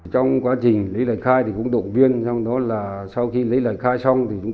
trong quá trình lấy lời khai thì cũng động viên trong đó là sau khi lấy lời khai xong thì chúng